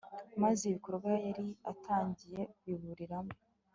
maze ibikorwa yari atangiye biburiramo